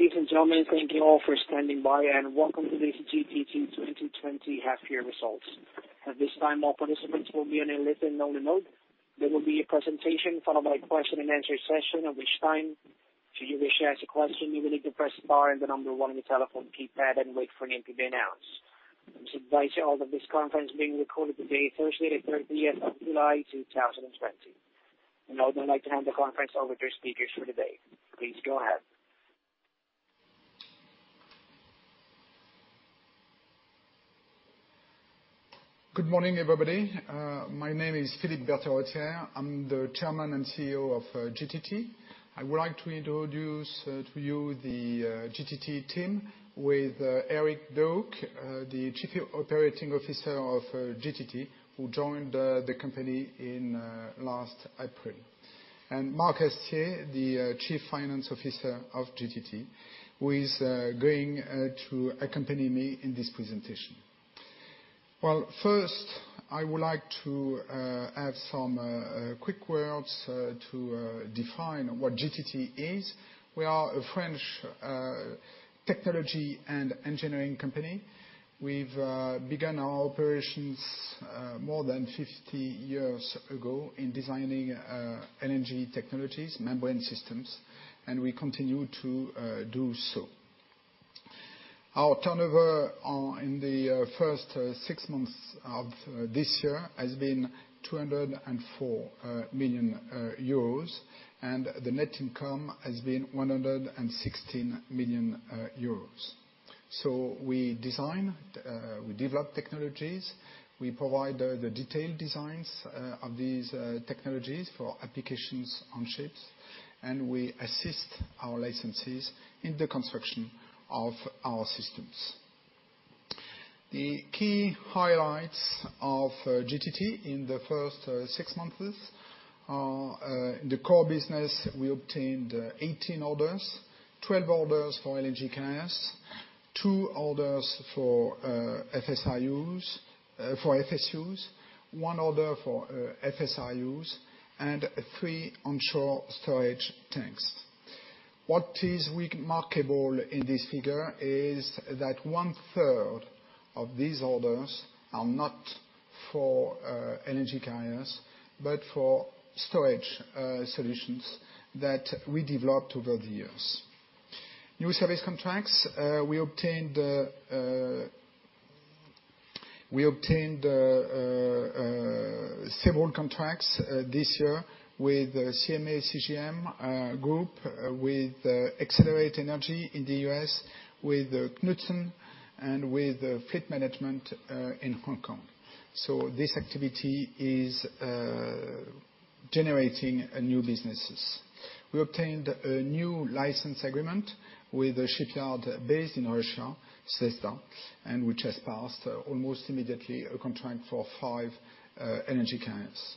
Ladies and gentlemen, thank you all for standing by, and welcome to the GTT 2020 half-year results. At this time, all participants will be in a listen-only mode. There will be a presentation followed by a question-and-answer session, at which time, should you wish to ask a question, you will need to press star and the number one on your telephone keypad and wait for your name to be announced. I must advise you all that this conference is being recorded today, Thursday, the 30th of July, 2020, and I would now like to hand the conference over to our speakers for today. Please go ahead. Good morning, everybody. My name is Philippe Berterottière. I'm the Chairman and CEO of GTT. I would like to introduce to you the GTT team with Eric Dehouck, the Chief Operating Officer of GTT, who joined the company last April, and Marc Haestier, the Chief Financial Officer of GTT, who is going to accompany me in this presentation. First, I would like to add some quick words to define what GTT is. We are a French technology and engineering company. We've begun our operations more than 50 years ago in designing energy technologies, membrane systems, and we continue to do so. Our turnover in the first six months of this year has been 204 million euros, and the net income has been 116 million euros. We design, we develop technologies, we provide the detailed designs of these technologies for applications on ships, and we assist our licensees in the construction of our systems. The key highlights of GTT in the first six months are in the core business, we obtained 18 orders, 12 orders for LNG carriers, two orders for FSUs, one order for FSRUs, and three onshore storage tanks. What is remarkable in this figure is that one-third of these orders are not for energy carriers, but for storage solutions that we developed over the years. New service contracts, we obtained several contracts this year with CMA CGM Group, with Excelerate Energy in the U.S., with Knutsen, and with Fleet Management in Hong Kong. So this activity is generating new businesses. We obtained a new license agreement with a shipyard based in Russia, Zvezda, and which has passed almost immediately a contract for five LNG carriers.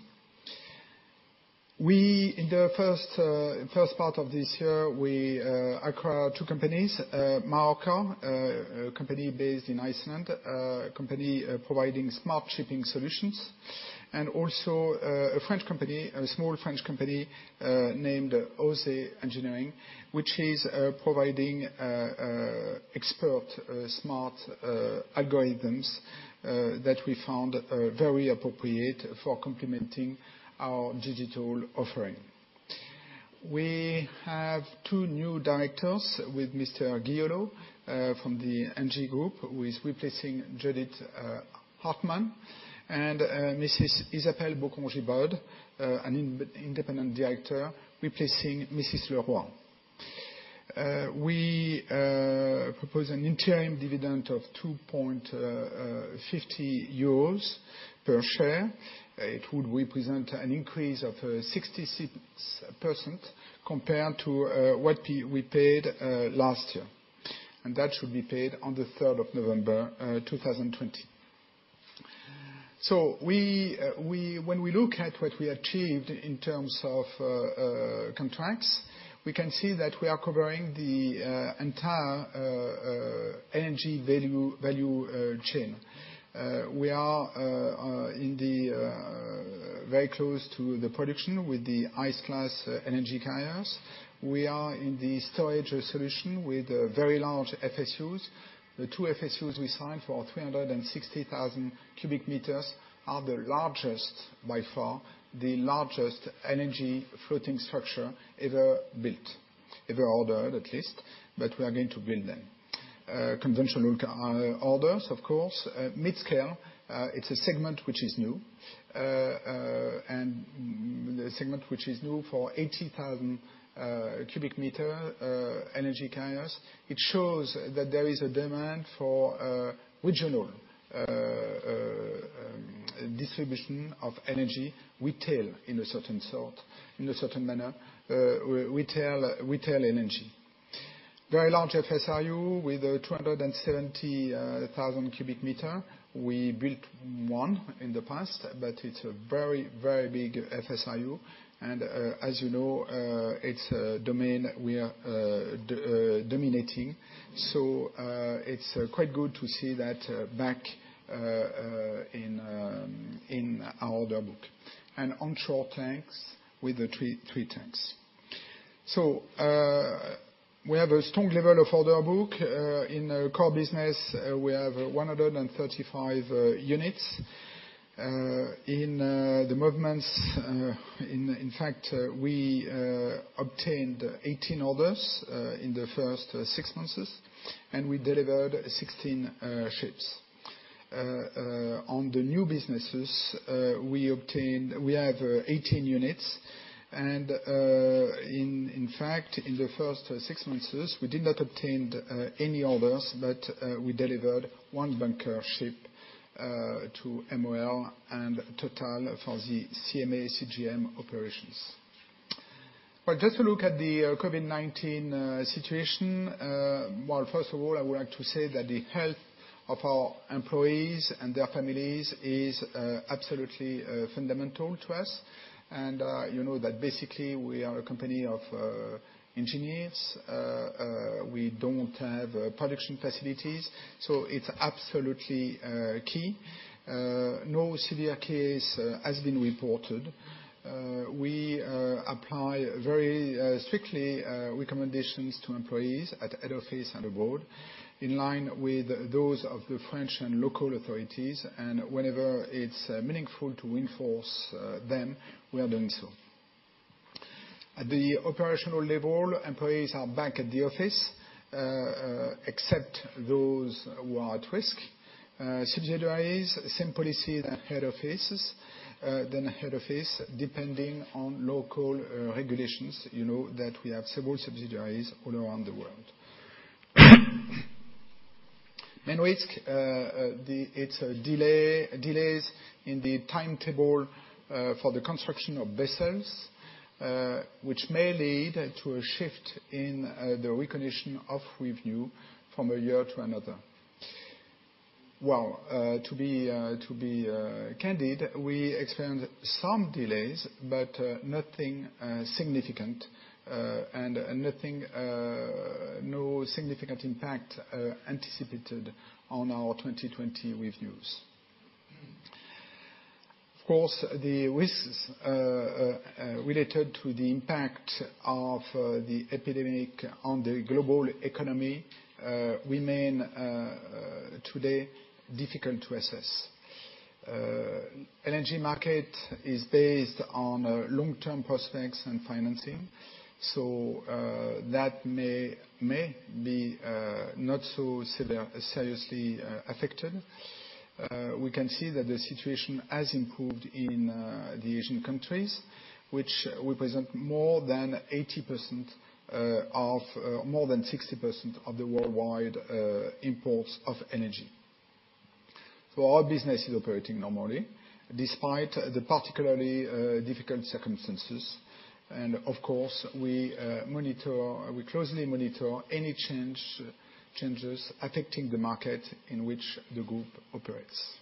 In the first part of this year, we acquired two companies: Marorka, a company based in Iceland, a company providing smart shipping solutions, and also a small French company named OSE Engineering, which is providing expert smart algorithms that we found very appropriate for complementing our digital offering. We have two new directors with Mr. Guiollot from ENGIE Group, who is replacing Judith Hartmann, and Mrs. Isabelle Boccon-Gibod, an independent director, replacing Françoise Leroy. We propose an interim dividend of 2.50 euros per share. It would represent an increase of 66% compared to what we paid last year, and that should be paid on the 3rd of November 2020. When we look at what we achieved in terms of contracts, we can see that we are covering the entire LNG value chain. We are very close to the production with the Ice Class LNG carriers. We are in the storage solution with very large FSUs. The two FSUs we signed for 360,000 cubic meters are the largest by far, the largest LNG floating structure ever built, ever ordered at least, but we are going to build them. Conventional orders, of course, mid-scale, it's a segment which is new, and the segment which is new for 80,000 cubic meters LNG carriers, it shows that there is a demand for regional distribution of LNG retail in a certain sort, in a certain manner, retail LNG. Very large FSRU with 270,000 cubic meters. We built one in the past, but it's a very, very big FSRU, and as you know, it's a domain we are dominating. So it's quite good to see that back in our order book, and onshore tanks with three tanks. So we have a strong level of order book. In core business, we have 135 units. In the meantime, in fact, we obtained 18 orders in the first six months, and we delivered 16 ships. On the new businesses, we have 18 units, and in fact, in the first six months, we did not obtain any orders, but we delivered one bunker ship to MOL and Total for the CMA CGM operations. Just to look at the COVID-19 situation, well, first of all, I would like to say that the health of our employees and their families is absolutely fundamental to us, and you know that basically we are a company of engineers. We don't have production facilities, so it's absolutely key. No severe case has been reported. We apply very strictly recommendations to employees at head office and abroad in line with those of the French and local authorities, and whenever it's meaningful to reinforce them, we are doing so. At the operational level, employees are back at the office, except those who are at risk. Subsidiaries, same policies at head offices, then head office depending on local regulations. You know that we have several subsidiaries all around the world. Main risk, it's delays in the timetable for the construction of vessels, which may lead to a shift in the recognition of revenue from a year to another. Well, to be candid, we experienced some delays, but nothing significant and no significant impact anticipated on our 2020 revenues. Of course, the risks related to the impact of the epidemic on the global economy remain today difficult to assess. Energy market is based on long-term prospects and financing, so that may be not so seriously affected. We can see that the situation has improved in the Asian countries, which represent more than 80% of more than 60% of the worldwide imports of energy. So our business is operating normally despite the particularly difficult circumstances, and of course, we closely monitor any changes affecting the market in which the group operates.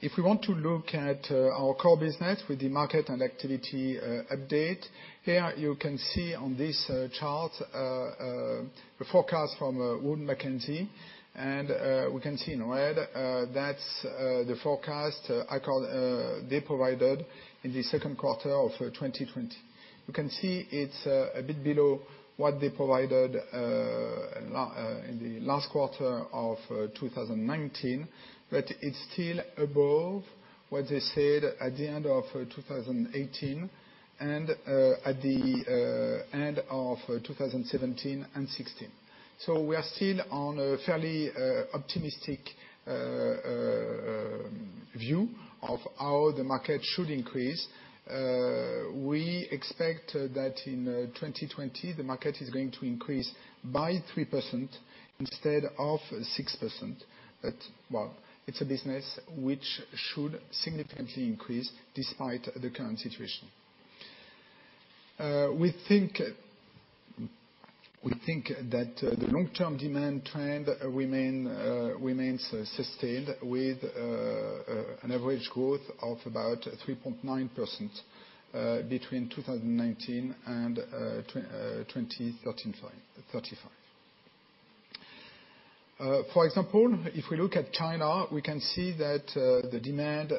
If we want to look at our core business with the market and activity update, here you can see on this chart the forecast from Wood Mackenzie, and we can see in red that's the forecast they provided in the second quarter of 2020. You can see it's a bit below what they provided in the last quarter of 2019, but it's still above what they said at the end of 2018 and at the end of 2017 and 2016. So we are still on a fairly optimistic view of how the market should increase. We expect that in 2020, the market is going to increase by 3% instead of 6%, but well, it's a business which should significantly increase despite the current situation. We think that the long-term demand trend remains sustained with an average growth of about 3.9% between 2019 and 2035. For example, if we look at China, we can see that the demand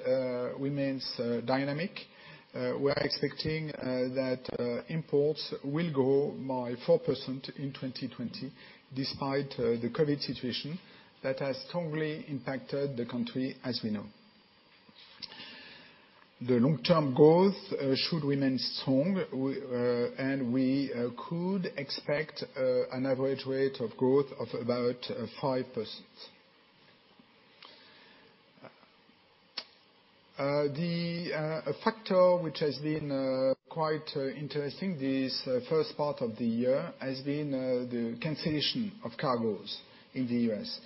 remains dynamic. We are expecting that imports will grow by 4% in 2020 despite the COVID situation that has strongly impacted the country as we know. The long-term growth should remain strong, and we could expect an average rate of growth of about 5%. The factor which has been quite interesting this first part of the year has been the cancellation of cargoes in the U.S.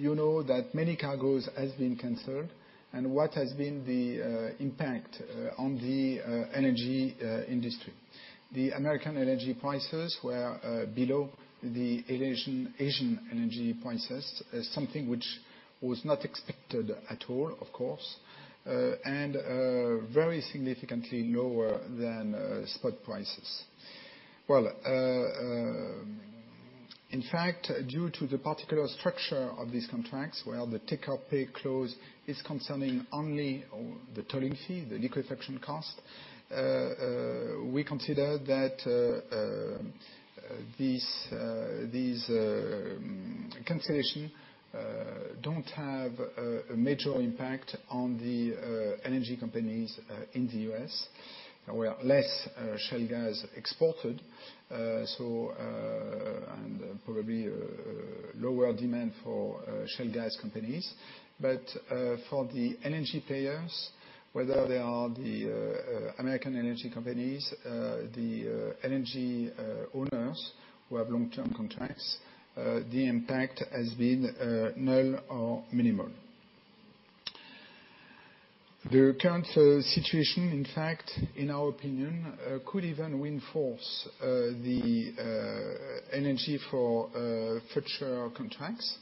You know that many cargoes have been canceled, and what has been the impact on the LNG industry? The American LNG prices were below the Asian LNG prices, something which was not expected at all, of course, and very significantly lower than spot prices. In fact, due to the particular structure of these contracts where the take-or-pay clause is concerning only the tolling fee, the liquefaction cost, we consider that these cancellations don't have a major impact on the LNG companies in the U.S. There were less shale gas exported, and probably lower demand for shale gas companies, but for the LNG players, whether they are the American LNG companies, the LNG owners who have long-term contracts, the impact has been null or minimal. The current situation, in fact, in our opinion, could even reinforce the LNG for future contracts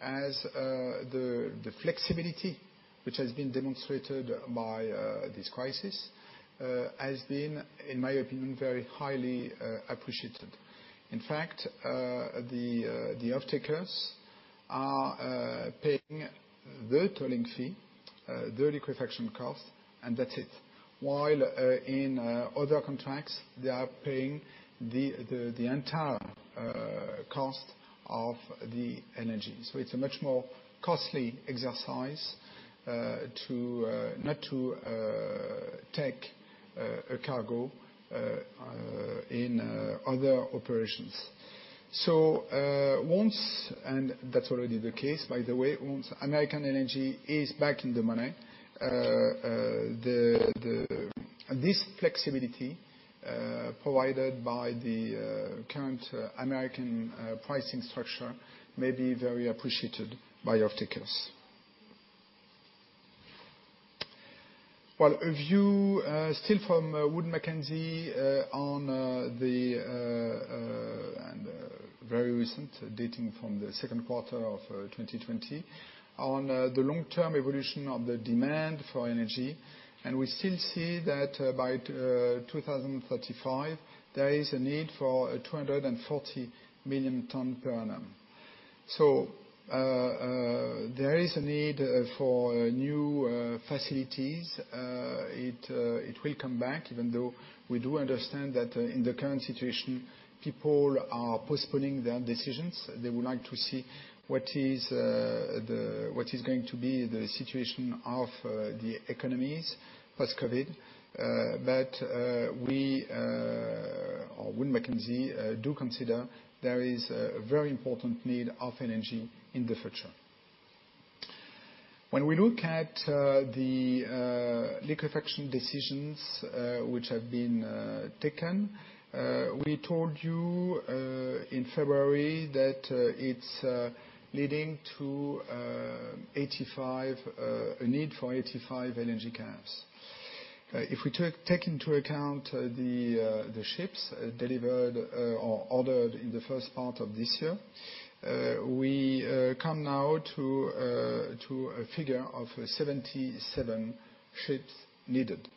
as the flexibility which has been demonstrated by this crisis has been, in my opinion, very highly appreciated. In fact, the off-takers are paying the tolling fee, the liquefaction cost, and that's it. While in other contracts, they are paying the entire cost of the LNG. It's a much more costly exercise not to take a cargo in other operations. So once, and that's already the case, by the way, once American LNG is back in the money, this flexibility provided by the current American pricing structure may be very appreciated by off-takers. Well, a view still from Wood Mackenzie on the very recent, dating from the second quarter of 2020, on the long-term evolution of the demand for LNG, and we still see that by 2035, there is a need for 240 million tonnes per annum. So there is a need for new facilities. It will come back, even though we do understand that in the current situation, people are postponing their decisions. They would like to see what is going to be the situation of the economies post-COVID, but we or Wood Mackenzie do consider there is a very important need of energy in the future. When we look at the liquefaction decisions which have been taken, we told you in February that it's leading to a need for 85 LNG carriers. If we take into account the ships delivered or ordered in the first part of this year, we come now to a figure of 77 ships needed.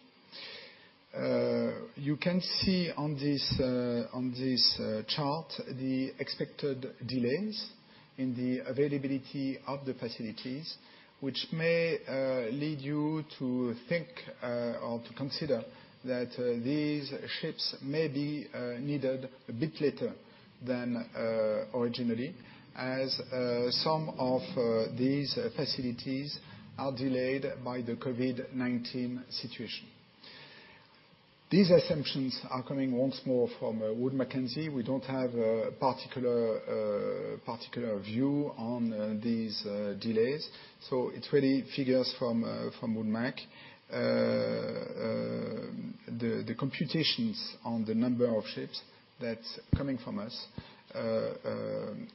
You can see on this chart the expected delays in the availability of the facilities, which may lead you to think or to consider that these ships may be needed a bit later than originally, as some of these facilities are delayed by the COVID-19 situation. These assumptions are coming once more from Wood Mackenzie. We don't have a particular view on these delays, so it's really figures from Wood Mac. The computations on the number of ships that's coming from us,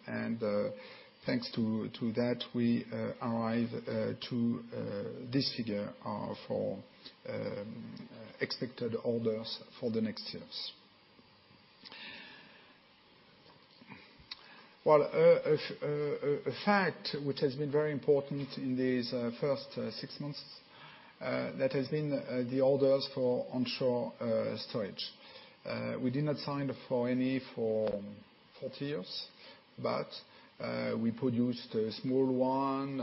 and thanks to that, we arrive to this figure for expected orders for the next years. A fact which has been very important in these first six months that has been the orders for onshore storage. We did not sign for any for 40 years, but we produced small ones,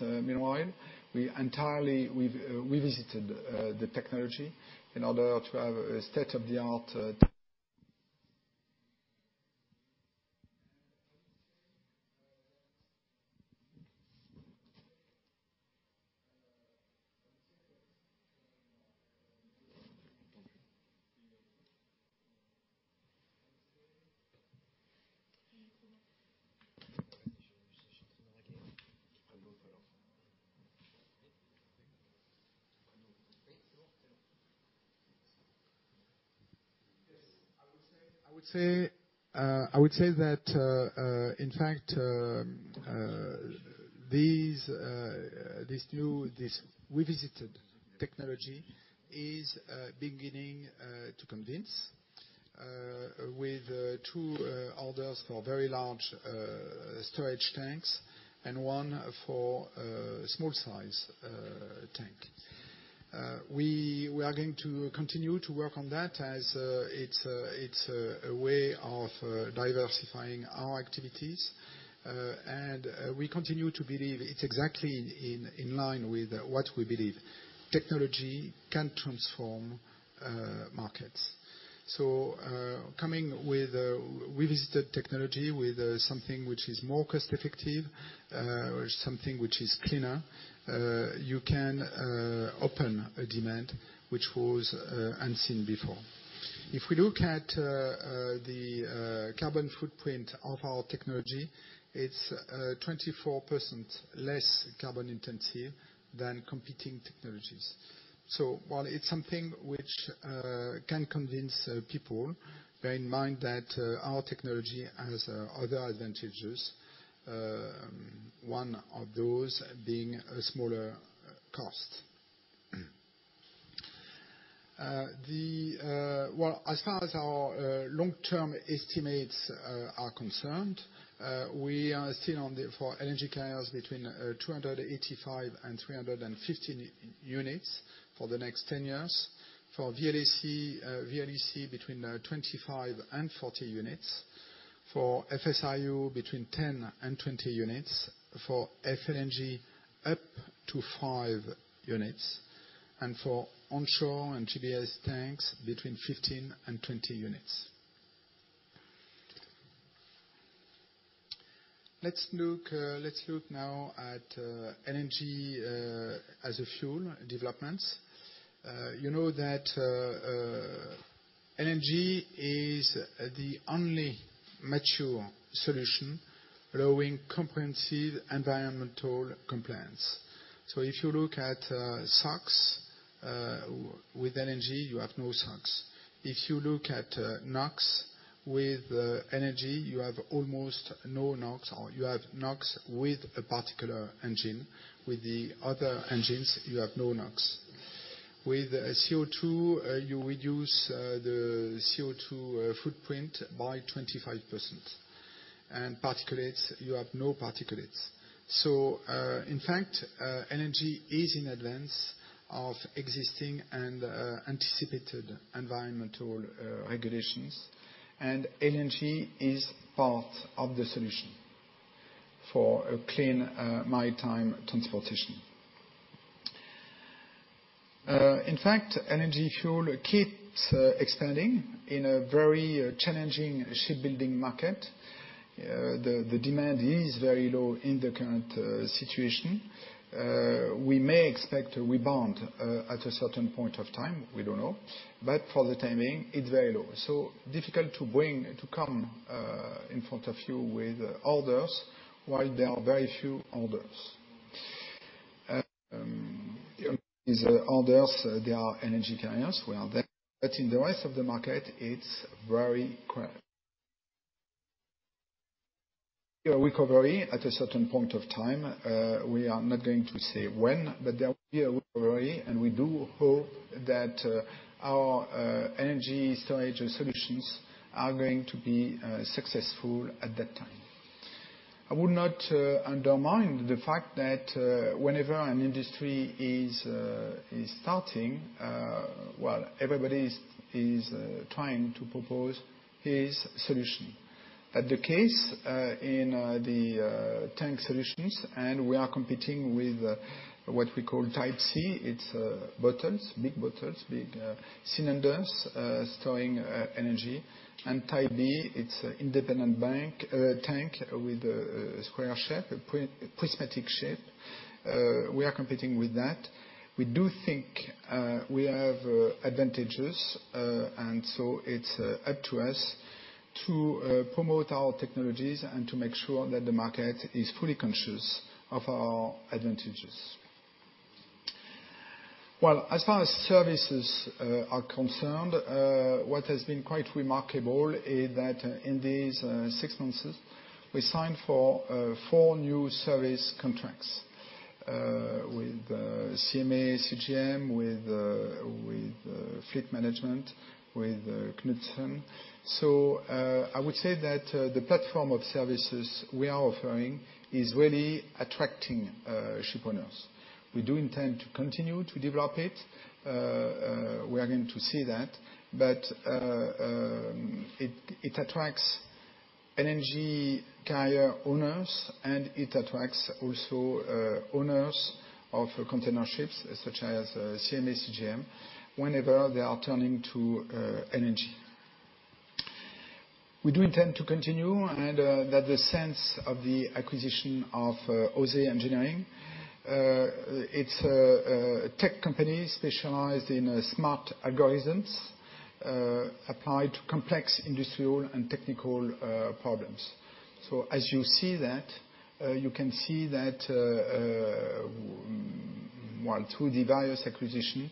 meanwhile. We entirely revisited the technology in order to have a state-of-the-art. I would say that, in fact, this new revisited technology is beginning to convince with two orders for very large storage tanks and one for small-size tank. We are going to continue to work on that as it's a way of diversifying our activities, and we continue to believe it's exactly in line with what we believe. Technology can transform markets, so coming with revisited technology with something which is more cost-effective, something which is cleaner, you can open a demand which was unseen before. If we look at the carbon footprint of our technology, it's 24% less carbon-intensive than competing technologies, so while it's something which can convince people, bear in mind that our technology has other advantages, one of those being a smaller cost, well, as far as our long-term estimates are concerned, we are still on for LNG carriers between 285 and 350 units for the next 10 years, for VLEC between 25 and 40 units, for FSRU between 10 and 20 units, for FLNG up to 5 units, and for onshore and GBS tanks between 15 and 20 units. Let's look now at LNG as a fuel developments. You know that LNG is the only mature solution allowing comprehensive environmental compliance. So if you look at SOx with LNG, you have no SOx. If you look at NOx with LNG, you have almost no NOx, or you have NOx with a particular engine. With the other engines, you have no NOx. With CO2, you reduce the CO2 footprint by 25%. And particulates, you have no particulates. So in fact, LNG is in advance of existing and anticipated environmental regulations, and LNG is part of the solution for a clean maritime transportation. In fact, LNG fuel keeps expanding in a very challenging shipbuilding market. The demand is very low in the current situation. We may expect a rebound at a certain point of time. We don't know. But for the time being, it's very low. So difficult to come in front of you with orders while there are very few orders. These orders, there are LNG carriers who are there, but in the rest of the market, it's very quiet. There will be recovery at a certain point of time. We are not going to say when, but there will be a recovery, and we do hope that our energy storage solutions are going to be successful at that time. I would not undermine the fact that whenever an industry is starting, well, everybody is trying to propose his solution. That's the case in the tank solutions, and we are competing with what we call Type C. It's bottles, big bottles, big cylinders storing energy. And Type B, it's an independent tank with a square shape, a prismatic shape. We are competing with that. We do think we have advantages, and so it's up to us to promote our technologies and to make sure that the market is fully conscious of our advantages. As far as services are concerned, what has been quite remarkable is that in these six months, we signed for four new service contracts with CMA CGM, with Fleet Management, with Knutsen. So I would say that the platform of services we are offering is really attracting shipowners. We do intend to continue to develop it. We are going to see that, but it attracts energy carrier owners, and it attracts also owners of container ships such as CMA CGM, whenever they are turning to energy. We do intend to continue, and that's the sense of the acquisition of OSE Engineering. It's a tech company specialized in smart algorithms applied to complex industrial and technical problems. So as you see that, you can see that while through the various acquisitions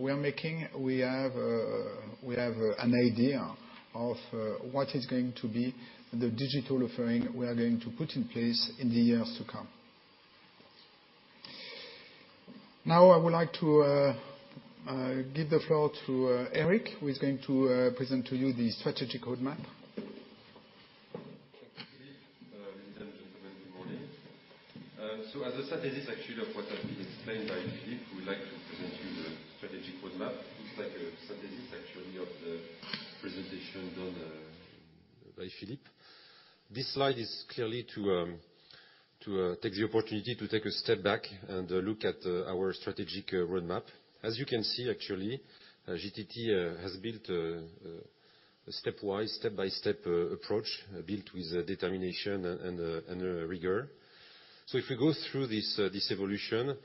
we are making, we have an idea of what is going to be the digital offering we are going to put in place in the years to come. Now, I would like to give the floor to Eric, who is going to present to you the strategic roadmap. Thank you, Philippe. Ladies and gentlemen, good morning. So as a synthesis actually of what has been explained by Philippe, we'd like to present you the strategic roadmap. It's like a synthesis actually of the presentation done by Philippe. This slide is clearly to take the opportunity to take a step back and look at our strategic roadmap. As you can see actually, GTT has built a stepwise, step-by-step approach built with determination and rigor. So if we go through this evolution,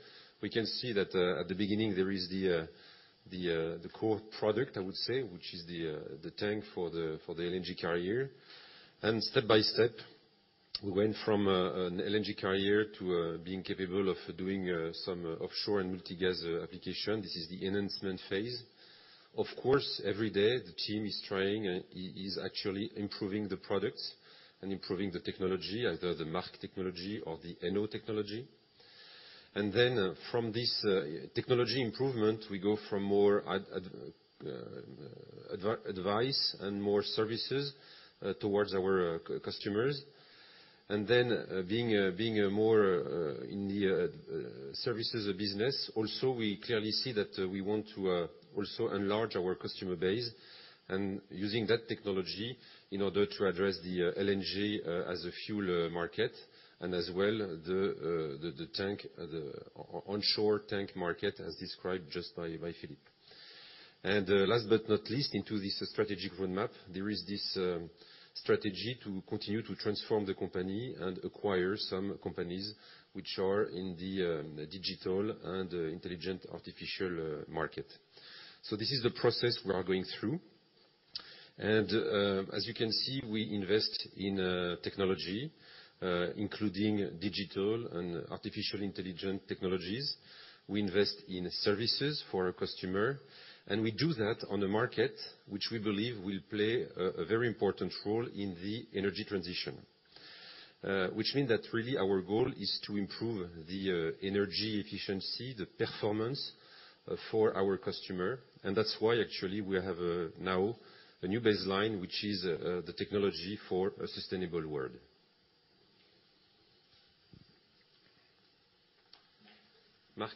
we can see that at the beginning, there is the core product, I would say, which is the tank for the LNG carrier. And step by step, we went from an LNG carrier to being capable of doing some offshore and multi-gas application. This is the enhancement phase. Of course, every day, the team is trying and is actually improving the products and improving the technology, either the Mark III technology or the NO96 technology. And then from this technology improvement, we go from more advice and more services towards our customers. And then being more in the services business, also, we clearly see that we want to also enlarge our customer base and using that technology in order to address the LNG as a fuel market and as well the onshore tank market as described just by Philippe. And last but not least, into this strategic roadmap, there is this strategy to continue to transform the company and acquire some companies which are in the digital and artificial intelligence market. So this is the process we are going through. And as you can see, we invest in technology, including digital and artificial intelligence technologies. We invest in services for our customer, and we do that on a market which we believe will play a very important role in the energy transition, which means that really our goal is to improve the energy efficiency, the performance for our customer. And that's why actually we have now a new baseline, which is the technology for a sustainable world. Marc?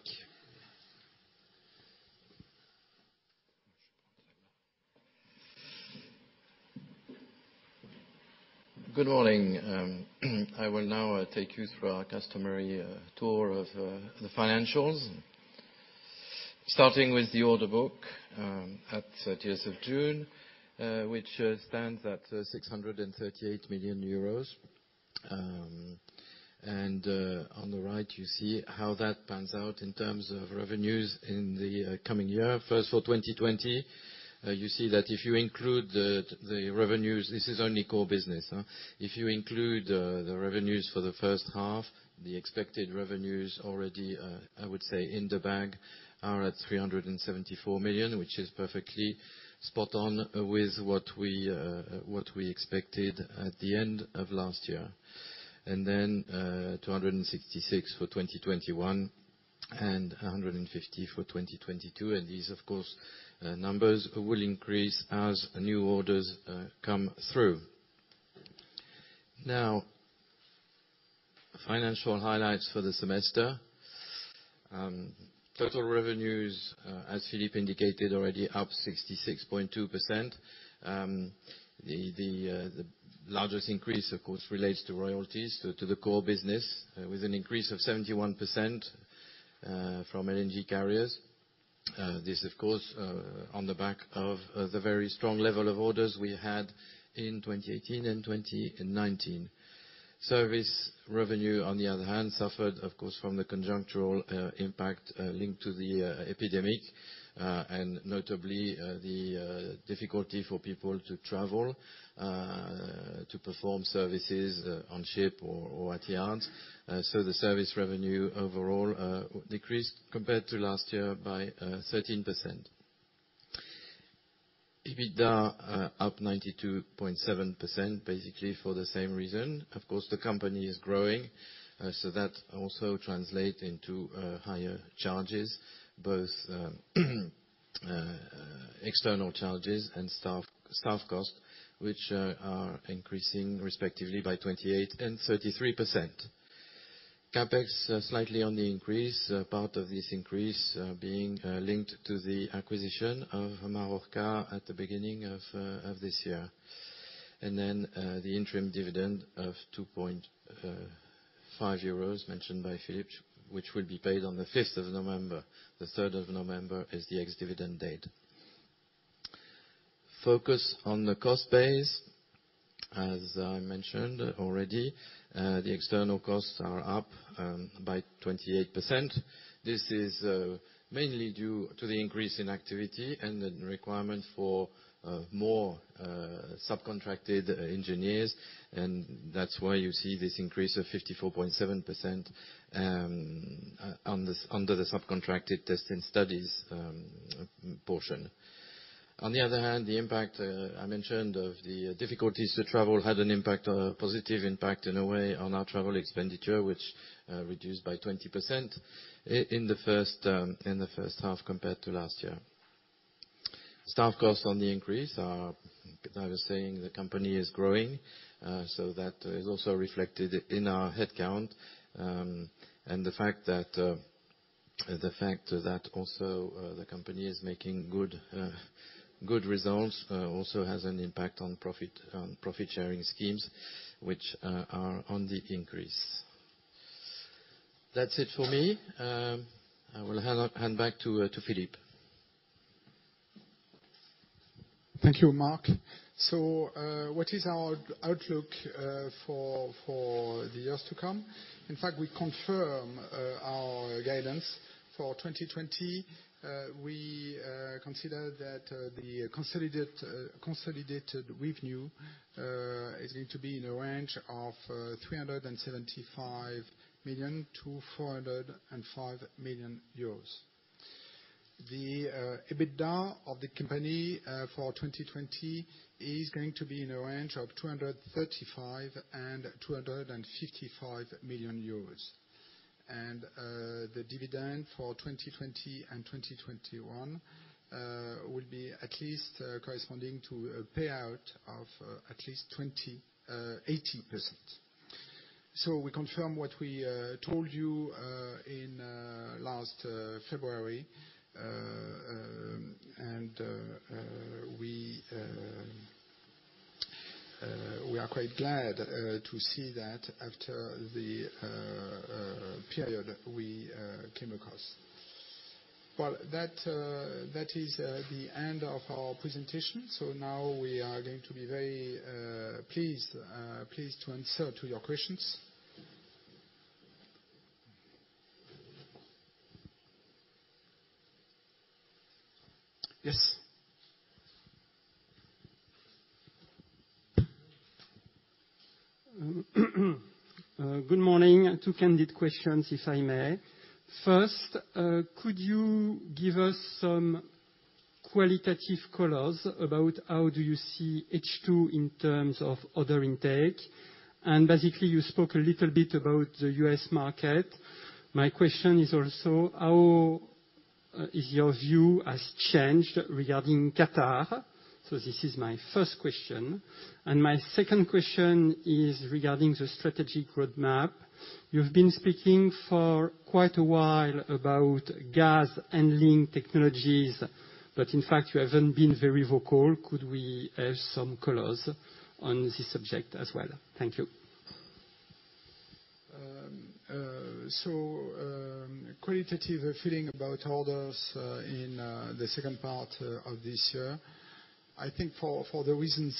Good morning. I will now take you through our customary tour of the financials, starting with the order book at the 30th of June, which stands at 638 million euros. And on the right, you see how that pans out in terms of revenues in the coming year. First for 2020, you see that if you include the revenues, this is only core business. If you include the revenues for the first half, the expected revenues already, I would say, in the bag are at 374 million, which is perfectly spot on with what we expected at the end of last year, and then 266 million for 2021 and 150 million for 2022. And these, of course, numbers will increase as new orders come through. Now, financial highlights for the semester. Total revenues, as Philippe indicated already, up 66.2%. The largest increase, of course, relates to royalties, to the core business, with an increase of 71% from LNG carriers. This, of course, on the back of the very strong level of orders we had in 2018 and 2019. Service revenue, on the other hand, suffered, of course, from the conjunctural impact linked to the epidemic, and notably the difficulty for people to travel to perform services on ship or at yard, so the service revenue overall decreased compared to last year by 13%. EBITDA up 92.7%, basically for the same reason. Of course, the company is growing, so that also translates into higher charges, both external charges and staff cost, which are increasing respectively by 28% and 33%. CapEx slightly on the increase, part of this increase being linked to the acquisition of Marorka at the beginning of this year. And then the interim dividend of 2.5 euros mentioned by Philippe, which will be paid on the 5th of November. The 3rd of November is the ex-dividend date. Focus on the cost base. As I mentioned already, the external costs are up by 28%. This is mainly due to the increase in activity and the requirement for more subcontracted engineers. And that's why you see this increase of 54.7% under the subcontracted test and studies portion. On the other hand, the impact I mentioned of the difficulties to travel had an impact, a positive impact in a way, on our travel expenditure, which reduced by 20% in the first half compared to last year. Staff costs on the increase, I was saying the company is growing, so that is also reflected in our headcount. The fact that also the company is making good results also has an impact on profit-sharing schemes, which are on the increase. That's it for me. I will hand back to Philippe. Thank you, Marc. So what is our outlook for the years to come? In fact, we confirm our guidance for 2020. We consider that the consolidated revenue is going to be in a range of 375 million-405 million euros. The EBITDA of the company for 2020 is going to be in a range of 235 million-255 million euros. And the dividend for 2020 and 2021 will be at least corresponding to a payout of at least 80%. So we confirm what we told you in last February, and we are quite glad to see that after the period we came across. Well, that is the end of our presentation. So now we are going to be very pleased to answer to your questions. Yes. Good morning. Two candid questions, if I may. First, could you give us some qualitative colors about how do you see H2 in terms of order intake? And basically, you spoke a little bit about the US market. My question is also, how is your view has changed regarding Qatar? So this is my first question. And my second question is regarding the strategic roadmap. You've been speaking for quite a while about gas and LNG technologies, but in fact, you haven't been very vocal. Could we have some colors on this subject as well? Thank you. So qualitative feeling about orders in the second part of this year. I think for the reasons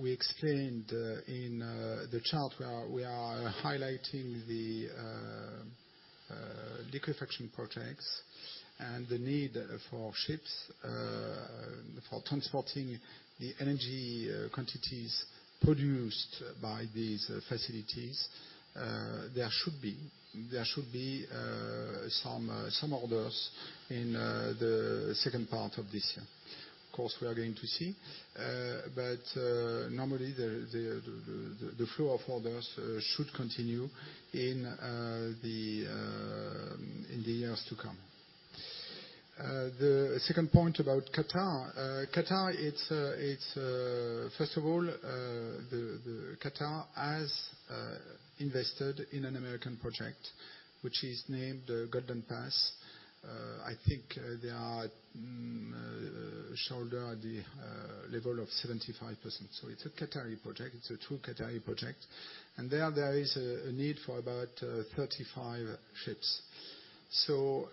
we explained in the chart, we are highlighting the liquefaction projects and the need for ships for transporting the LNG quantities produced by these facilities. There should be some orders in the second part of this year. Of course, we are going to see, but normally, the flow of orders should continue in the years to come. The second point about Qatar. Qatar, first of all, Qatar has invested in an American project, which is named the Golden Pass. I think they are shareholders at the level of 75%. So it's a Qatari project. It's a true Qatari project. And there is a need for about 35 ships. So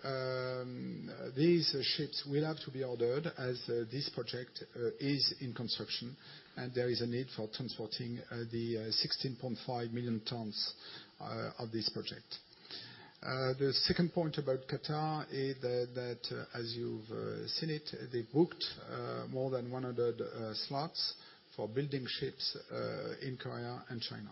these ships will have to be ordered as this project is in construction, and there is a need for transporting the 16.5 million tons of this project. The second point about Qatar is that, as you've seen it, they booked more than 100 slots for building ships in Korea and China.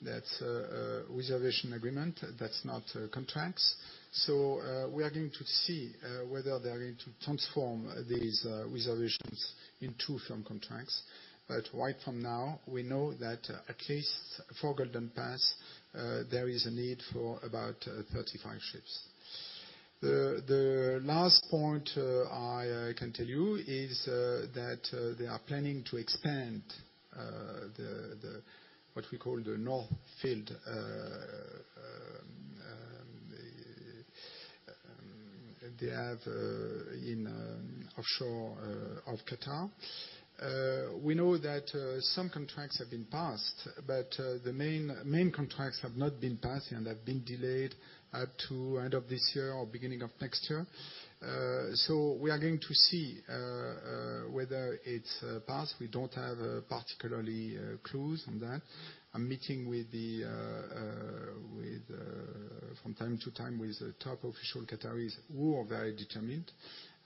That's a reservation agreement. That's not contracts. So we are going to see whether they are going to transform these reservations into firm contracts. But right from now, we know that at least for Golden Pass, there is a need for about 35 ships. The last point I can tell you is that they are planning to expand what we call the North Field. They have in offshore of Qatar. We know that some contracts have been passed, but the main contracts have not been passed and have been delayed up to end of this year or beginning of next year, so we are going to see whether it's passed. We don't have particular clues on that. I'm meeting from time to time with top Qatari officials who are very determined.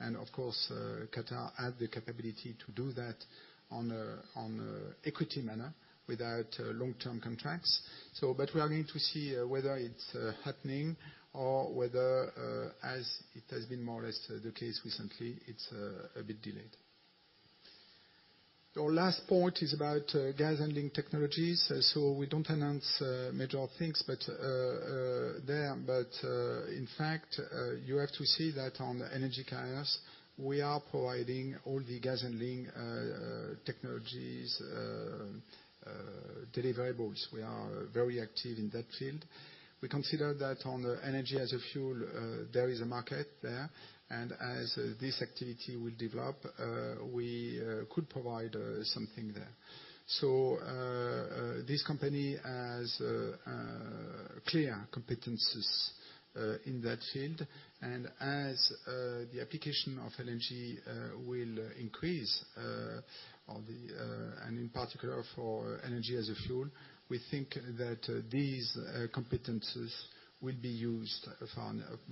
And of course, Qatar has the capability to do that in an equity manner without long-term contracts, but we are going to see whether it's happening or whether, as it has been more or less the case recently, it's a bit delayed. Our last point is about gas and LNG technologies, so we don't announce major things there, but in fact, you have to see that on the energy carriers, we are providing all the gas and LNG technologies deliverables. We are very active in that field. We consider that on the LNG as a fuel, there is a market there, and as this activity will develop, we could provide something there, so this company has clear competencies in that field, and as the application of LNG will increase, and in particular for LNG as a fuel, we think that these competencies will be used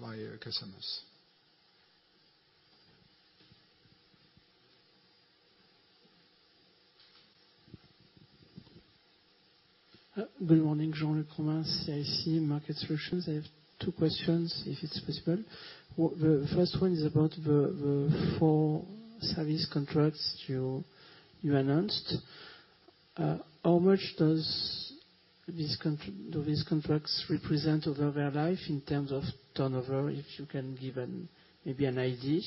by customers. Good morning. Jean-Luc Romain, CIC Market Solutions. I have two questions, if it's possible. The first one is about the four service contracts you announced. How much do these contracts represent over their life in terms of turnover? If you can give maybe an idea,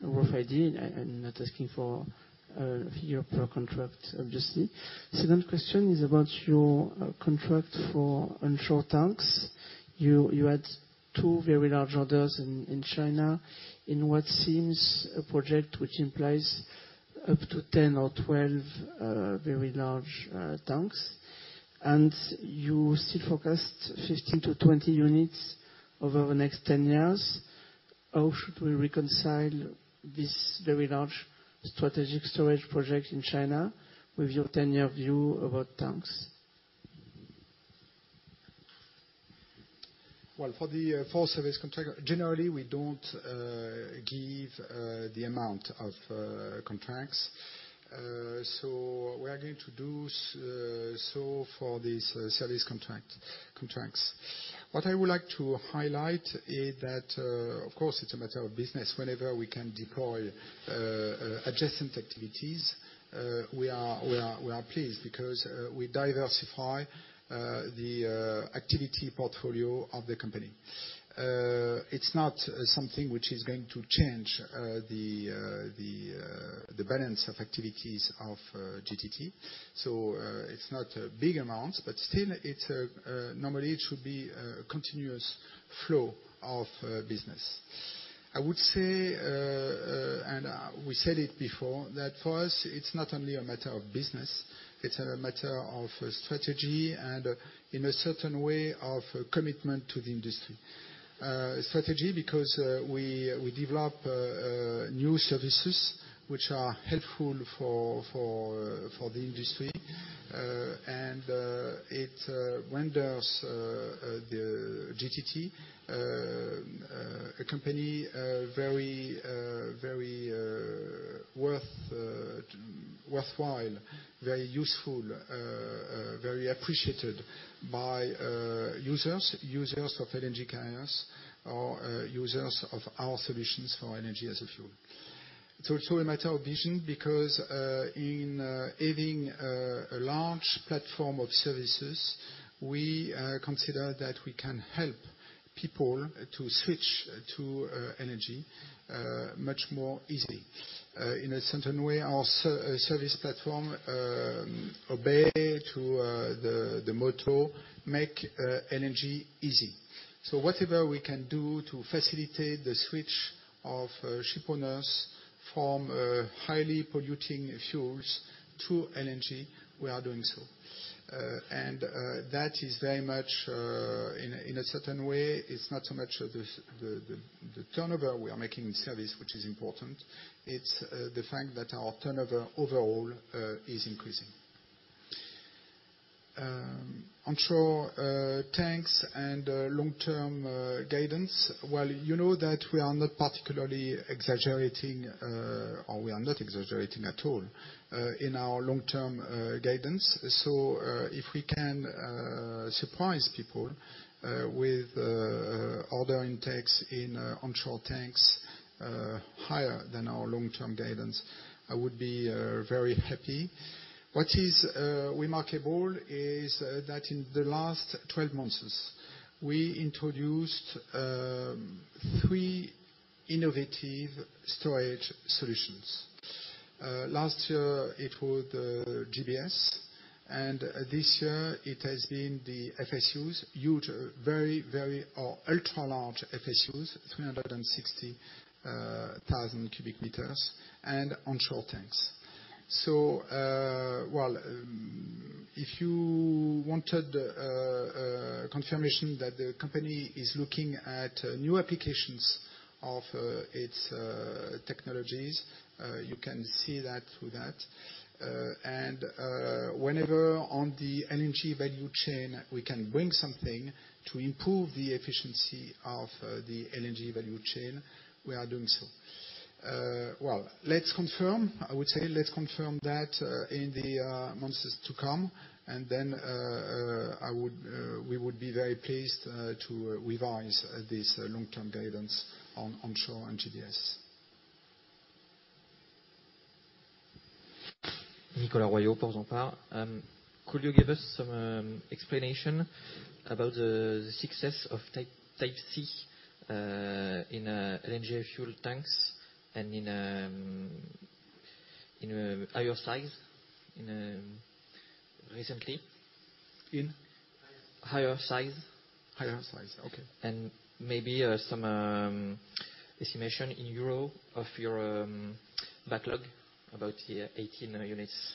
a rough idea. I'm not asking for a figure per contract, obviously. The second question is about your contract for onshore tanks. You had two very large orders in China, in what seems a project which implies up to 10 or 12 very large tanks, and you still forecast 15-20 units over the next 10 years. How should we reconcile this very large strategic storage project in China with your 10-year view about tanks? For the four service contracts, generally, we don't give the amount of contracts. So we are going to do so for these service contracts. What I would like to highlight is that, of course, it's a matter of business. Whenever we can deploy adjacent activities, we are pleased because we diversify the activity portfolio of the company. It's not something which is going to change the balance of activities of GTT. So it's not a big amount, but still, normally, it should be a continuous flow of business. I would say, and we said it before, that for us, it's not only a matter of business. It's a matter of strategy and, in a certain way, of commitment to the industry. Strategy because we develop new services which are helpful for the industry. And it renders the GTT company very worthwhile, very useful, very appreciated by users, users of LNG carriers, or users of our solutions for LNG as a fuel. It's also a matter of vision because, in having a large platform of services, we consider that we can help people to switch to LNG much more easily. In a certain way, our service platform obeys the motto "Make LNG Easy." So whatever we can do to facilitate the switch of shipowners from highly polluting fuels to LNG, we are doing so. And that is very much, in a certain way, it's not so much the turnover we are making in service, which is important. It's the fact that our turnover overall is increasing. Onshore tanks and long-term guidance. Well, you know that we are not particularly exaggerating, or we are not exaggerating at all, in our long-term guidance. If we can surprise people with order intakes in onshore tanks higher than our long-term guidance, I would be very happy. What is remarkable is that, in the last 12 months, we introduced three innovative storage solutions. Last year, it was the GBS. And this year, it has been the FSUs, huge, very, very, or ultra-large FSUs, 360,000 cubic meters, and onshore tanks. If you wanted confirmation that the company is looking at new applications of its technologies, you can see that through that. And whenever on the energy value chain, we can bring something to improve the efficiency of the energy value chain, we are doing so. Let's confirm, I would say, let's confirm that in the months to come. And then we would be very pleased to revise this long-term guidance on onshore and GBS. Nicolas Royot, Portzamparc. Could you give us some explanation about the success of Type C in LNG fuel tanks and in higher size recently? In? Higher size. Higher size, okay. Maybe some estimation in euros of your backlog, about 18 units.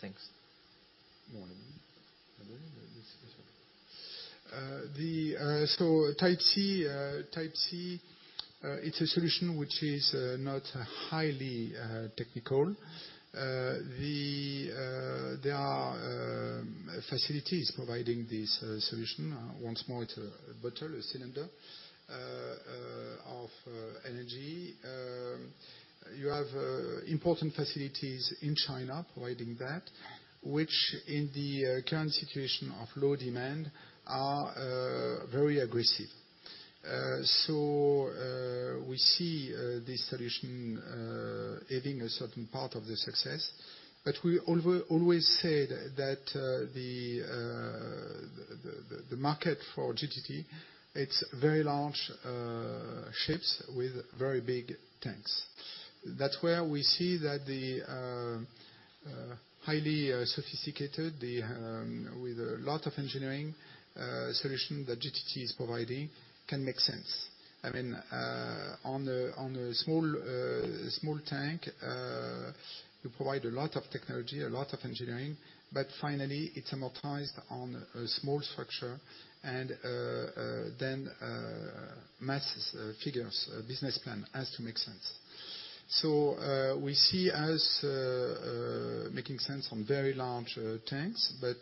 Thanks. Type C, it's a solution which is not highly technical. There are facilities providing this solution. Once more, it's a bottle, a cylinder of energy. You have important facilities in China providing that, which, in the current situation of low demand, are very aggressive. So we see this solution having a certain part of the success. But we always said that the market for GTT, it's very large ships with very big tanks. That's where we see that the highly sophisticated, with a lot of engineering solution that GTT is providing, can make sense. I mean, on a small tank, you provide a lot of technology, a lot of engineering, but finally, it's amortized on a small structure, and then mass figures, business plan has to make sense. So we see us making sense on very large tanks, but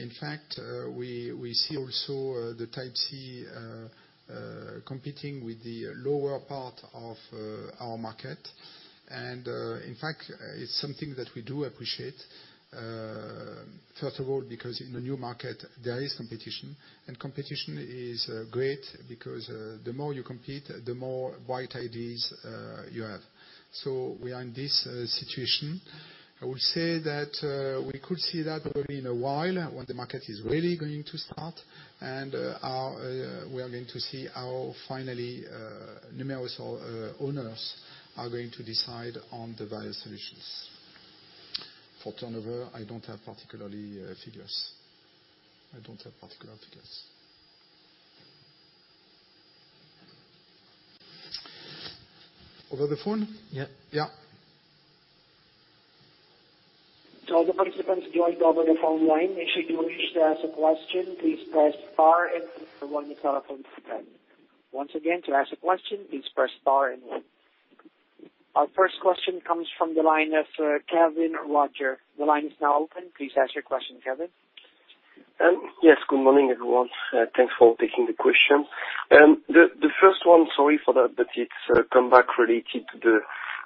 in fact, we see also the Type C competing with the lower part of our market. And in fact, it's something that we do appreciate, first of all, because in a new market, there is competition. And competition is great because the more you compete, the more bright ideas you have. So we are in this situation. I would say that we could see that probably in a while when the market is really going to start, and we are going to see how finally numerous owners are going to decide on the value solutions. For turnover, I don't have particularly figures. I don't have particular figures. Over the phone? Yeah. Yeah. Thank you for joining us over the phone line. If you wish to ask a question, please press star then 1. To ask a question on the telephone, please press star then 1. Once again, to ask a question, please press star then 1. Our first question comes from the line of Kévin Roger. The line is now open. Please ask your question, Kévin. Yes. Good morning, everyone. Thanks for taking the question. The first one, sorry for the details, comes back related to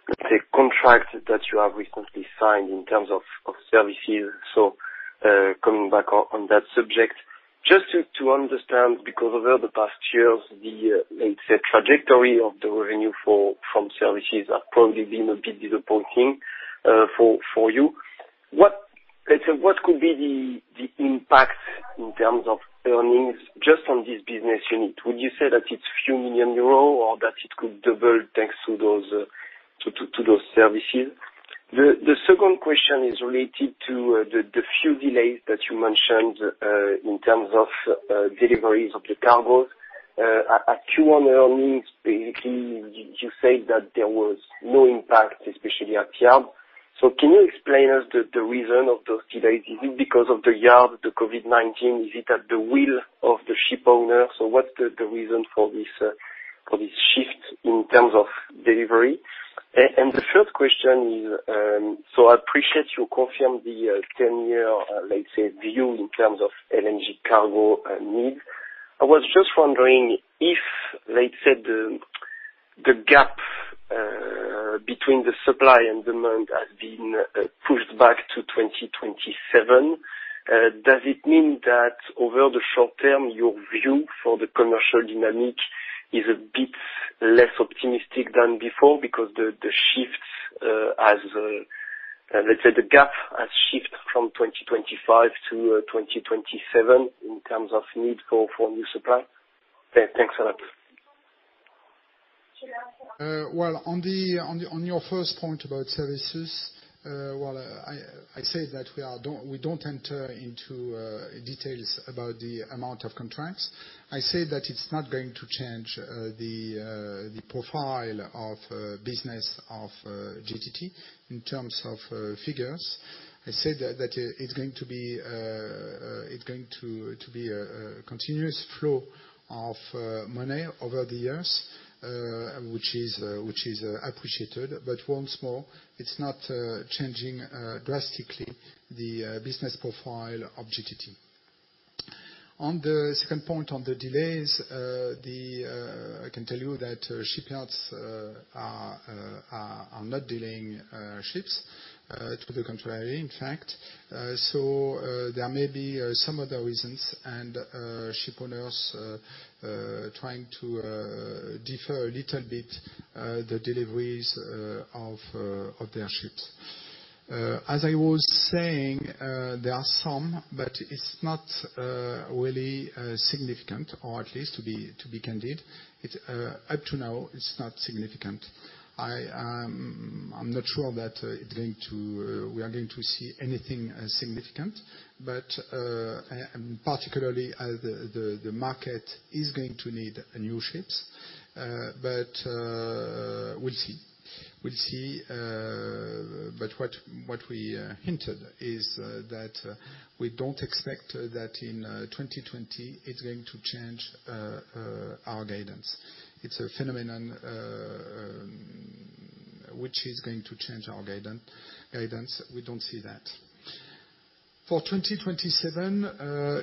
the contract that you have recently signed in terms of services. So coming back on that subject, just to understand, because over the past years, the trajectory of the revenue from services has probably been a bit disappointing for you. Let's say, what could be the impact in terms of earnings just on this business unit? Would you say that it's a few million euros or that it could double thanks to those services? The second question is related to the few delays that you mentioned in terms of deliveries of the cargos. At Q1 earnings, basically, you said that there was no impact, especially at yard. So can you explain to us the reason of those delays? Is it because of the yard, the COVID-19? Is it at the will of the shipowner? So what's the reason for this shift in terms of delivery? And the third question is, so I appreciate you confirmed the 10-year, let's say, view in terms of LNG carrier needs. I was just wondering if, let's say, the gap between the supply and demand has been pushed back to 2027. Does it mean that, over the short term, your view for the commercial dynamic is a bit less optimistic than before? Because the shift, let's say, the gap has shifted from 2025 to 2027 in terms of need for new supply? Thanks a lot. On your first point about services, well, I said that we don't enter into details about the amount of contracts. I said that it's not going to change the profile of business of GTT in terms of figures. I said that it's going to be a continuous flow of money over the years, which is appreciated, but once more, it's not changing drastically the business profile of GTT. On the second point on the delays, I can tell you that shipyards are not delaying ships, to the contrary, in fact, so there may be some other reasons and shipowners trying to defer a little bit the deliveries of their ships. As I was saying, there are some, but it's not really significant, or at least to be candid. Up to now, it's not significant. I'm not sure that we are going to see anything significant, but particularly as the market is going to need new ships. But we'll see. We'll see. But what we hinted is that we don't expect that in 2020, it's going to change our guidance. It's a phenomenon which is going to change our guidance. We don't see that. For 2027,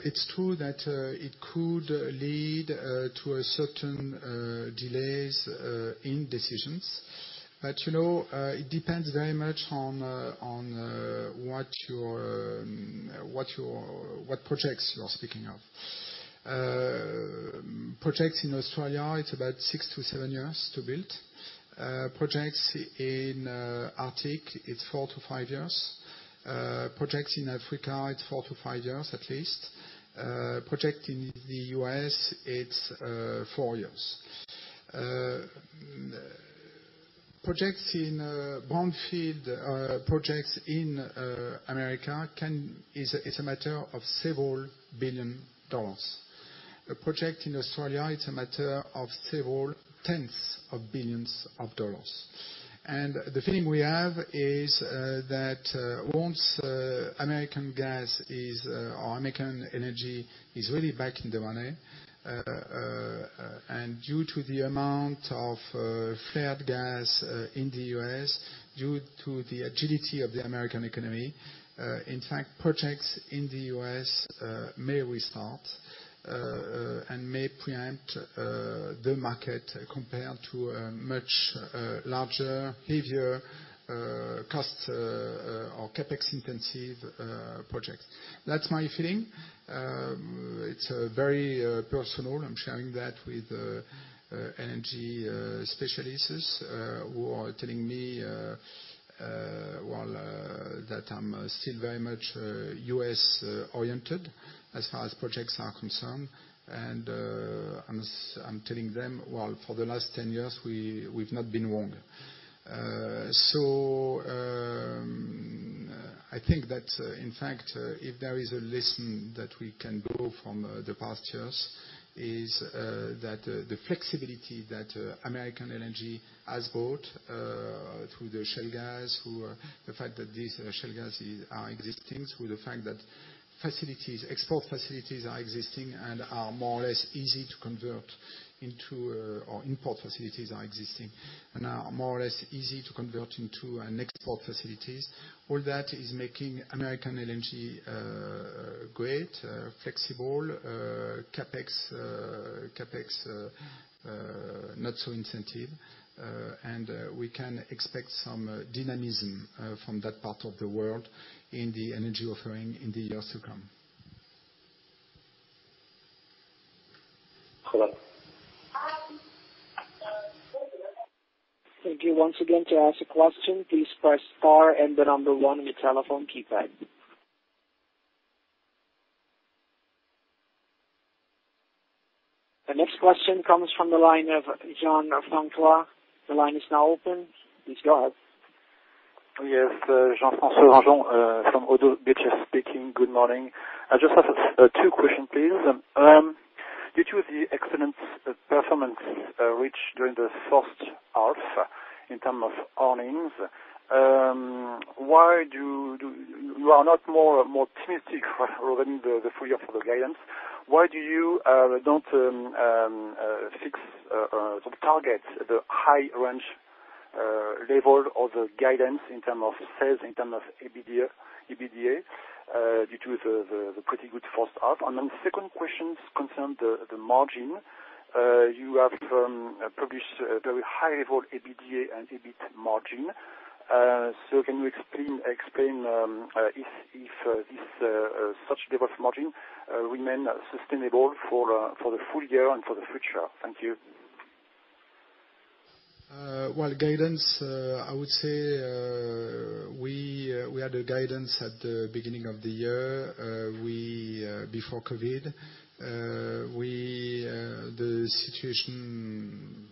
it's true that it could lead to certain delays in decisions. But it depends very much on what projects you're speaking of. Projects in Australia, it's about six to seven years to build. Projects in Arctic, it's four to five years. Projects in Africa, it's four to five years at least. Project in the US, it's four years. Projects in brownfield projects in America is a matter of several billion dollars. A project in Australia, it's a matter of several tens of billions of dollars. And the feeling we have is that once American gas or American energy is really back in the money, and due to the amount of flared gas in the U.S., due to the agility of the American economy, in fact, projects in the U.S. may restart and may preempt the market compared to much larger, heavier cost or CapEx-intensive projects. That's my feeling. It's very personal. I'm sharing that with energy specialists who are telling me, well, that I'm still very much U.S.-oriented as far as projects are concerned. And I'm telling them, well, for the last 10 years, we've not been wrong. So, I think that, in fact, if there is a lesson that we can draw from the past years, it's that the flexibility that American energy has brought through the shale gas, the fact that these shale gases are existing, through the fact that facilities, export facilities are existing and are more or less easy to convert into, or import facilities are existing and are more or less easy to convert into export facilities. All that is making American energy great, flexible, CapEx not so incentive. And we can expect some dynamism from that part of the world in the energy offering in the years to come. Hello. If you want again to ask a question, please press star and the number one on the telephone keypad. The next question comes from the line of Jean-François. The line is now open. Please go ahead. Yes. Jean-François Granjon from Oddo BHF speaking. Good morning. I just have two questions, please. Due to the excellent performance reached during the first half in terms of earnings, why do you are not more optimistic regarding the full of the guidance? Why do you don't fix or target the high-range level of the guidance in terms of sales, in terms of EBITDA, due to the pretty good first half? Then the second question concerns the margin. You have published very high-level EBITDA and EBIT margin. So can you explain if such level of margin remains sustainable for the full year and for the future? Thank you. Guidance, I would say we had a guidance at the beginning of the year before COVID. The situation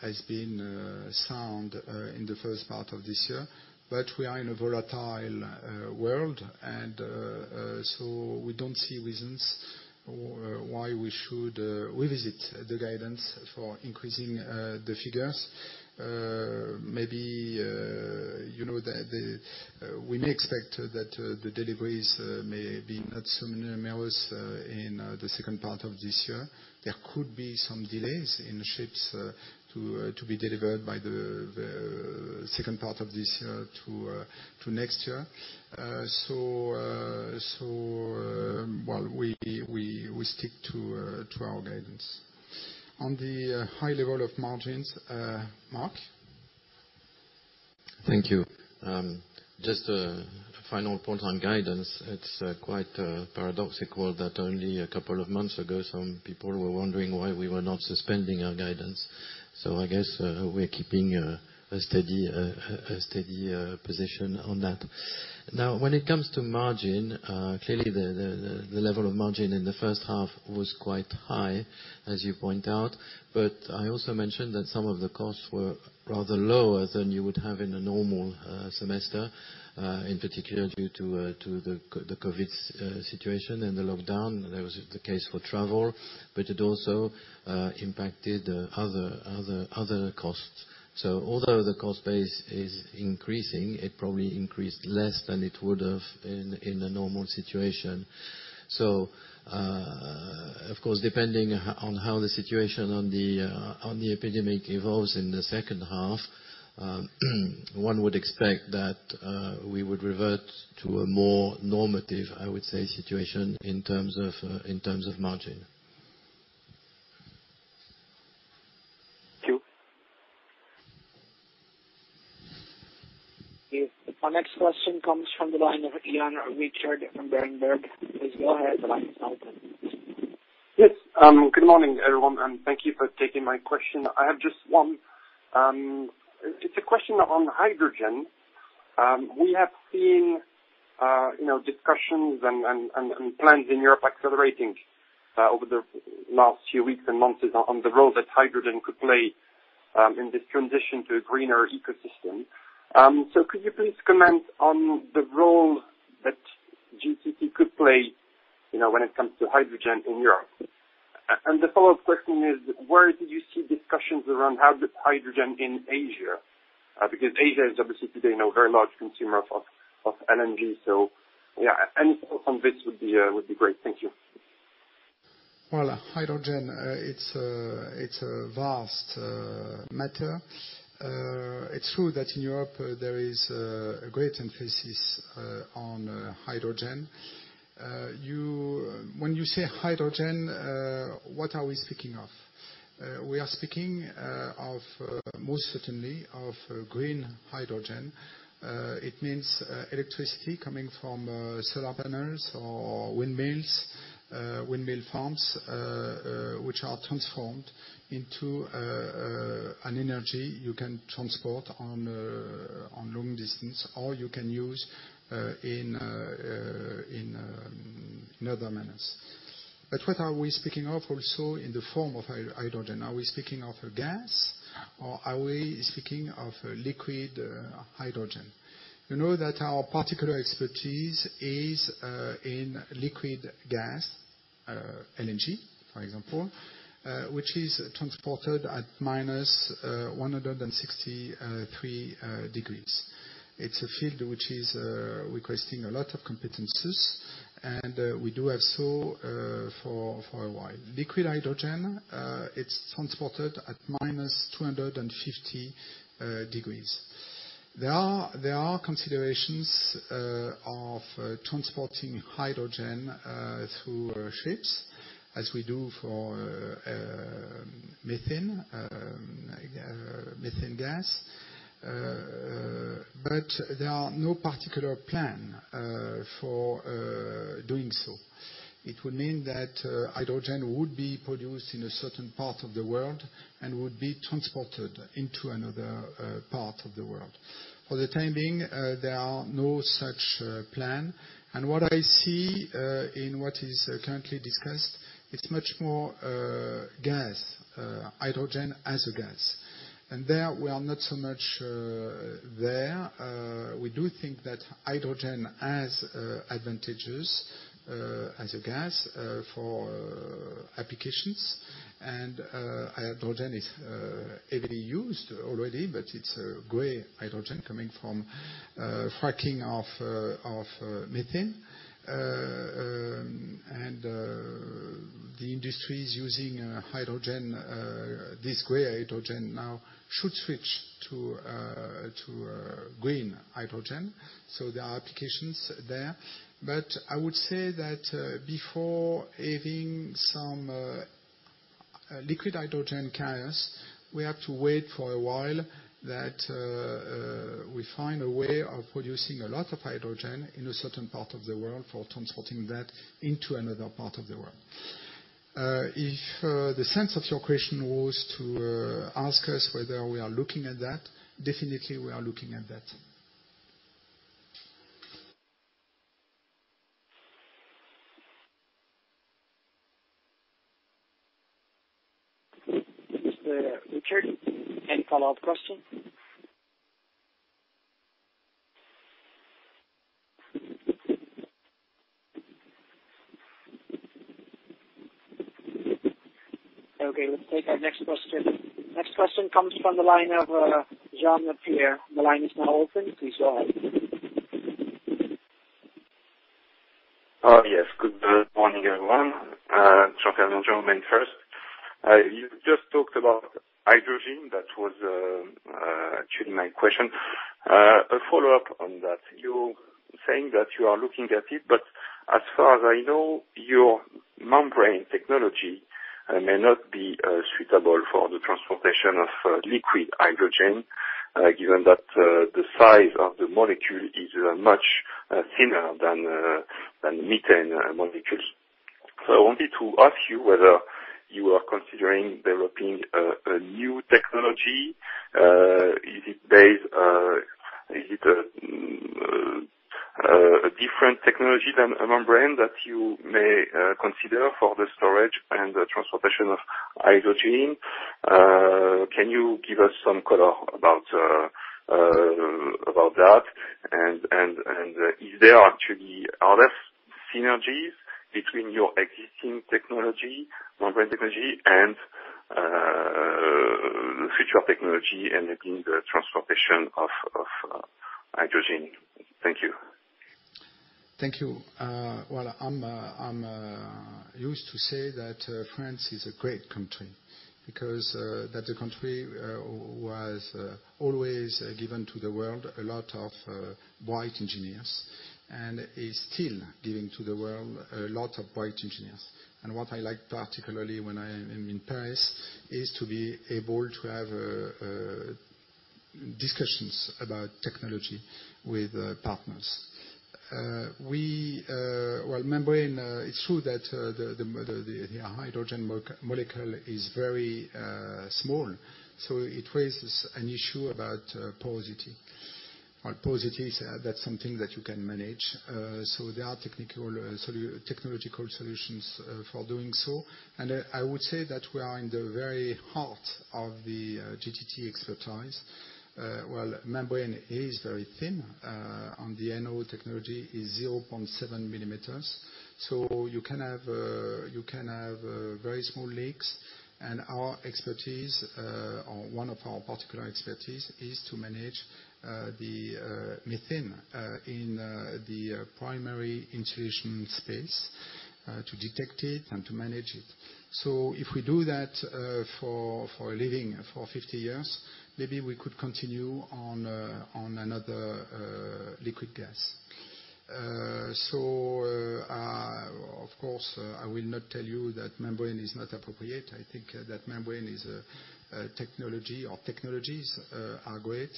has been sound in the first part of this year, but we are in a volatile world. And so we don't see reasons why we should revisit the guidance for increasing the figures. Maybe we may expect that the deliveries may be not so numerous in the second part of this year. There could be some delays in ships to be delivered by the second part of this year to next year. So while we stick to our guidance. On the high level of margins, Marc. Thank you. Just a final point on guidance. It's quite paradoxical that only a couple of months ago, some people were wondering why we were not suspending our guidance. So I guess we're keeping a steady position on that. Now, when it comes to margin, clearly the level of margin in the first half was quite high, as you point out. But I also mentioned that some of the costs were rather lower than you would have in a normal semester, in particular due to the COVID situation and the lockdown. There was the case for travel, but it also impacted other costs. So although the cost base is increasing, it probably increased less than it would have in a normal situation. Of course, depending on how the situation on the epidemic evolves in the second half, one would expect that we would revert to a more normative, I would say, situation in terms of margin. Thank you. Yes. Our next question comes from the line of Jan Richard from Berenberg. Please go ahead. The line is now open. Yes. Good morning, everyone. And thank you for taking my question. I have just one. It's a question on hydrogen. We have seen discussions and plans in Europe accelerating over the last few weeks and months on the role that hydrogen could play in this transition to a greener ecosystem. So could you please comment on the role that GTT could play when it comes to hydrogen in Europe? And the follow-up question is, where did you see discussions around hydrogen in Asia? Because Asia is obviously today a very large consumer of LNG. So yeah, any thoughts on this would be great. Thank you. Hydrogen, it's a vast matter. It's true that in Europe, there is a great emphasis on hydrogen. When you say hydrogen, what are we speaking of? We are speaking of, most certainly, of green hydrogen. It means electricity coming from solar panels or windmills, windmill farms, which are transformed into an energy you can transport on long distance, or you can use in other manners. But what are we speaking of also in the form of hydrogen? Are we speaking of a gas, or are we speaking of liquid hydrogen? You know that our particular expertise is in liquid gas, LNG, for example, which is transported at minus 163 degrees. It's a field which is requesting a lot of competencies, and we do have so for a while. Liquid hydrogen, it's transported at minus 250 degrees. There are considerations of transporting hydrogen through ships, as we do for methane gas. But there are no particular plans for doing so. It would mean that hydrogen would be produced in a certain part of the world and would be transported into another part of the world. For the time being, there are no such plans. And what I see in what is currently discussed, it's much more gas, hydrogen as a gas. And there we are not so much there. We do think that hydrogen has advantages as a gas for applications. And hydrogen is heavily used already, but it's a gray hydrogen coming from fracking of methane. And the industry is using hydrogen, this gray hydrogen now should switch to green hydrogen. So there are applications there. But I would say that before having some liquid hydrogen carriers, we have to wait for a while that we find a way of producing a lot of hydrogen in a certain part of the world for transporting that into another part of the world. If the sense of your question was to ask us whether we are looking at that, definitely we are looking at that. Jan Richard. Any follow-up question? Okay. Let's take our next question. Next question comes from the line of Jean Pierre. The line is now open. Please go ahead. Yes. Good morning, everyone. Jean-François Granjon from ODDO BHF. You just talked about hydrogen. That was actually my question. A follow-up on that. You're saying that you are looking at it, but as far as I know, your membrane technology may not be suitable for the transportation of liquid hydrogen, given that the size of the molecule is much thinner than methane molecules. So I wanted to ask you whether you are considering developing a new technology. Is it based? Is it a different technology than a membrane that you may consider for the storage and transportation of hydrogen? Can you give us some color about that? And is there actually other synergies between your existing technology, membrane technology, and future technology, and that means the transportation of hydrogen? Thank you. Thank you. I'm used to say that France is a great country because that's a country who has always given to the world a lot of bright engineers and is still giving to the world a lot of bright engineers. What I like particularly when I am in Paris is to be able to have discussions about technology with partners. Membrane, it's true that the hydrogen molecule is very small, so it raises an issue about porosity. Porosity, that's something that you can manage. There are technological solutions for doing so. I would say that we are in the very heart of the GTT expertise. Membrane is very thin. In the end, our technology is 0.7 millimeters. You can have very small leaks. Our expertise, or one of our particular expertise, is to manage the methane in the primary insulation space, to detect it and to manage it. So if we do that for a living for 50 years, maybe we could continue on another liquid gas. Of course, I will not tell you that membrane is not appropriate. I think that membrane is a technology or technologies are great.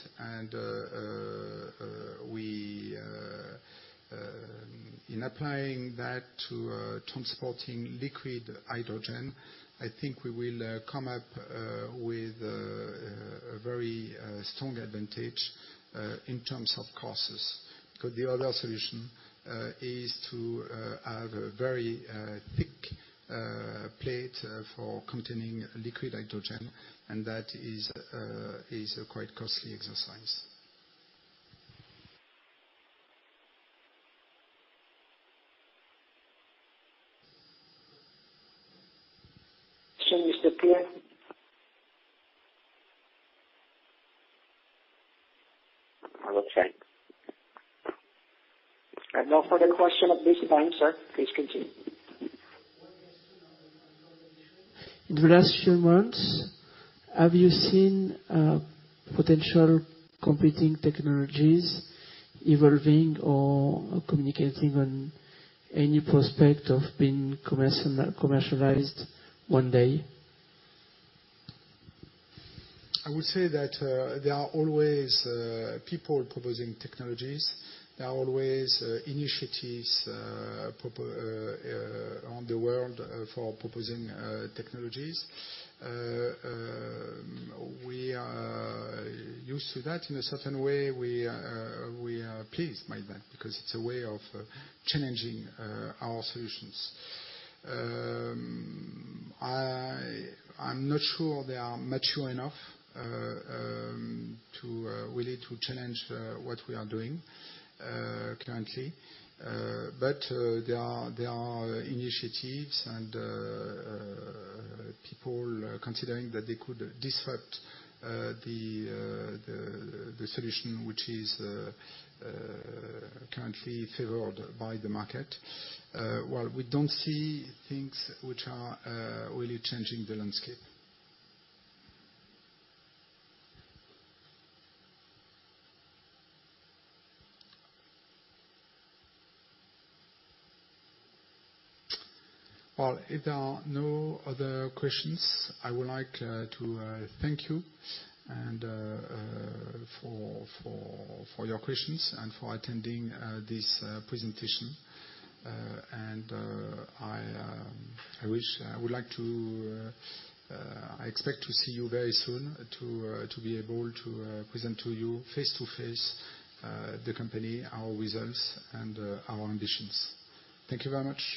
In applying that to transporting liquid hydrogen, I think we will come up with a very strong advantage in terms of costs. Because the other solution is to have a very thick plate for containing liquid hydrogen, and that is a quite costly exercise. Thank you, Mr. Pierre. Okay. I have no further question at this time, sir. Please continue. In the last few months, have you seen potential competing technologies evolving or communicating on any prospect of being commercialized one day? I would say that there are always people proposing technologies. There are always initiatives around the world for proposing technologies. We are used to that. In a certain way, we are pleased by that because it's a way of challenging our solutions. I'm not sure they are mature enough to really challenge what we are doing currently. But there are initiatives and people considering that they could disrupt the solution, which is currently favored by the market. Well, we don't see things which are really changing the landscape. Well, if there are no other questions, I would like to thank you for your questions and for attending this presentation. And I would like to expect to see you very soon to be able to present to you face-to-face the company, our results, and our ambitions. Thank you very much.